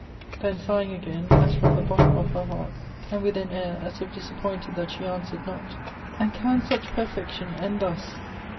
Then, sighing again, as from the bottom of her heart, and with an air, as if disappointed that she answered not, And can such perfection end thus!